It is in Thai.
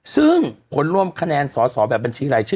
ซึ่งผลรวมคะแนนสอสอแบบบัญชีรายชื่อ